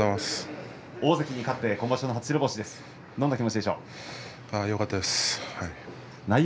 大関に勝って今場所の初白星です